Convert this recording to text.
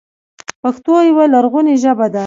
پښتو یوه لرغونې ژبه ده